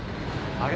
あれ。